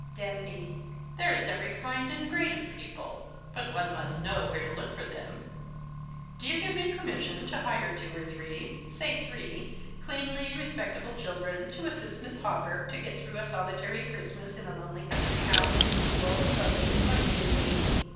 Danby. There is every kind and grade of people ; but one must know where to look for them. Do you 30 The Christmas Hirelings. give me permission to hire two or three — say three — cleanly, respectable children, to assist ]Miss Hawberk to get through a solitary Christmas in a lonely country house, with two old fogies like you and me